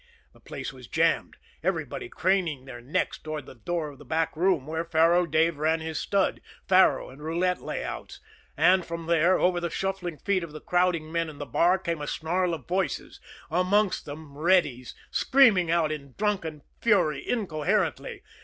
The place was jammed, everybody craning their necks toward the door of the back room, where Faro Dave ran his stud, faro and roulette layouts; and from there, over the shuffling feet of the crowding men in the bar, came a snarl of voices amongst them, Reddy's, screaming out in drunken fury, incoherently.